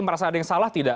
merasa ada yang salah tidak